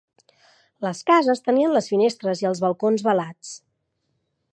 Les cases tenien les finestres i els balcons velats